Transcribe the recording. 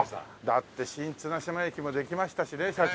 だって新綱島駅もできましたしね社長。